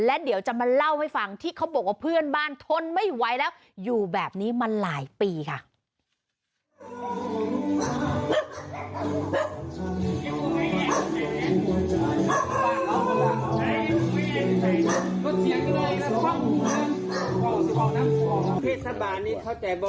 อันนี้เข้าใจบอกว่าผมไม่ชิดร่องเลี้ยงอย่างใดเพราะว่าเขาบริษัทธุรกิจน่ะเขาบริษัทเปิดภาพเปิดบ้าน